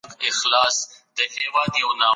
سالم ذهن کرکه نه زیاتوي.